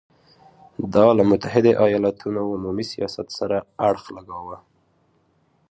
دا له متحدو ایالتونو عمومي سیاست سره اړخ لګاوه.